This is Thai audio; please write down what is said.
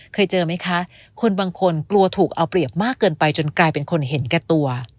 เคยเจอไหมคะคนบางคนกลัวถูกเอาเปรียบมากเกินไปจนกลายเป็นคนเห็นแก่ตัว